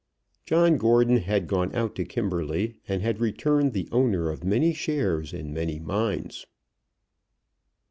John Gordon had gone out to Kimberley, and had returned the owner of many shares in many mines.